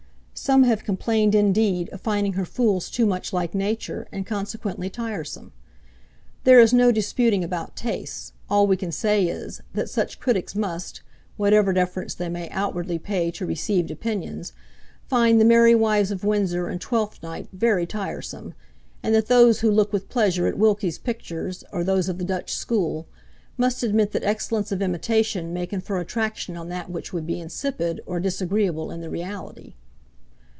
Some have complained indeed of finding her fools too much like nature, and consequently tiresome. There is no disputing about tastes; all we can say is, that such critics must (whatever deference they may outwardly pay to received opinions) find the "Merry Wives of Windsor" and "Twelfth Night" very tiresome; and that those who look with pleasure at Wilkie's pictures, or those of the Dutch school, must admit that excellence of imitation may confer attraction on that which would be insipid or disagreeable in the reality.